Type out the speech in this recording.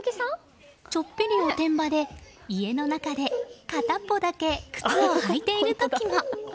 ちょっぴりおてんばで家の中で、かたっぽだけ靴を履いている時も。